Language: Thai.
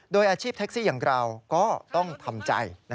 โดยอาชีพแท็กซี่อย่างเราก็ต้องทำใจ